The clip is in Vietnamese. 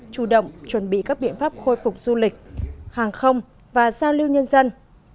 chủ động chuẩn bị các biện pháp khôi phục du lịch hàng không và giao lưu nhân dân